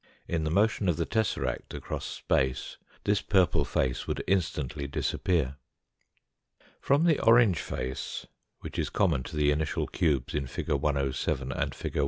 In the motion of the tesseract across space this purple face would instantly disappear. From the orange face, which is common to the initial cubes in fig. 107 and fig.